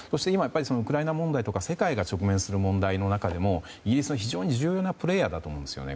ウクライナ問題とか世界が直面する問題の中でもイギリスは非常に重要なプレーヤーだと思うんですよね。